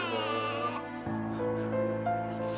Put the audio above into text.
yang kira kalian k quais